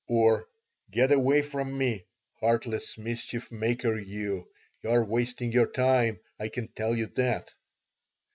Or, "Get away from me, heartless mischief maker you! You're wasting your time, I can tell you that."